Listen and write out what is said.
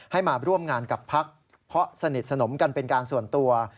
ให้มาร่วมงานกับพักเพราะสนิทสนมกันเป็นการส่วนตัว